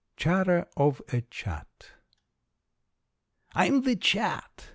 CHATTER OF A CHAT. I'm the "Chat."